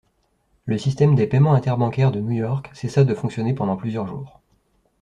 Le système des paiements interbancaires de New York cessa de fonctionner pendant plusieurs jours.